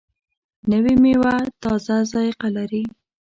نوې میوه تازه ذایقه لري